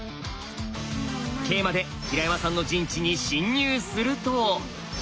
桂馬で平山さんの陣地に侵入すると。